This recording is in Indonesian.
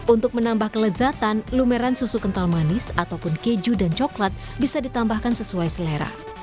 untuk menambah kelezatan lumeran susu kental manis ataupun keju dan coklat bisa ditambahkan sesuai selera